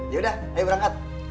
yaudah ayo berangkat